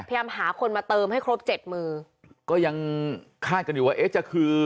พยายามหาคนมาเติมให้ครบเจ็ดมือก็ยังคาดกันอยู่ว่าเอ๊ะจะคือ